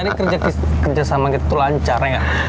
jadi kerja kerja sama gitu lancar ya